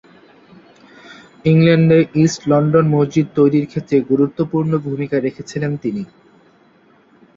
ইংল্যান্ডে East London মসজিদ তৈরীর ক্ষেত্রে গুরুত্বপূর্ণ ভূমিকা রেখেছিলেন তিনি।